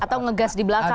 atau ngegas di belakang